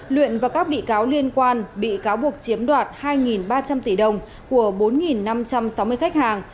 luyện và các bị cáo liên quan bị cáo buộc chiếm đoạt hai ba trăm linh tỷ đồng của bốn năm trăm sáu mươi khách hàng